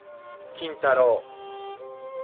金太郎」。